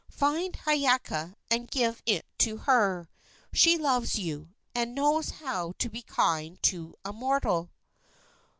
Find Hiiaka and give it to her. She loves you, and knows how to be kind to a mortal."